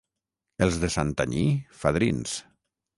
Els de Santanyí, fadrins.